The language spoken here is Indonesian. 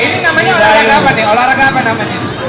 ini namanya olahraga apa